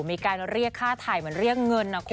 มีการเรียกค่าถ่ายเหมือนเรียกเงินนะคุณ